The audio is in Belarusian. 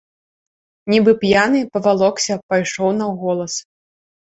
Нібы п'яны, павалокся, пайшоў на голас.